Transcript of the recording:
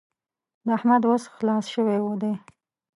د احمد وس خلاص شوی دی.